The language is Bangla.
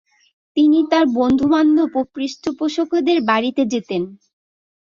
তিনি তার বন্ধুবান্ধব ও পৃষ্ঠপোষকদের বাড়িতে যেতেন।